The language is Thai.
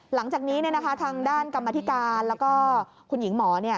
หลังจากนี้ทางด้านกรรมธิการแล้วก็คุณหญิงหมอ